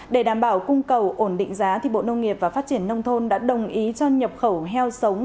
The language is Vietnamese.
để đảm bảo cung cầu ổn định giá bộ nông nghiệp và phát triển nông thôn đã đồng ý cho nhập khẩu heo sống